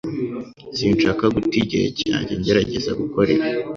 Sinshaka guta igihe cyanjye ngerageza gukora ibi.